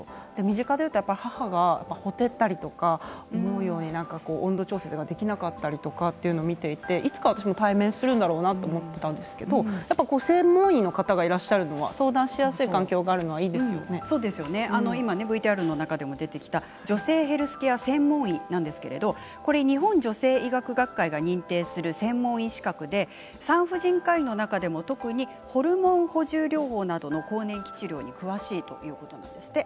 身近で言うと母がほてったり思うように温度調節ができなかったりというのを見ていていつか私も対面するんだろうなと思っていたんですけど専門医の方がいらっしゃるのは相談しやすい環境があるのは今、ＶＴＲの中でも出てきた女性ヘルスケア専門医なんですけれど日本女性医学学会が認定する専門医資格で産婦人科医の中でも特にホルモン補充療法などの更年期治療に詳しいということです。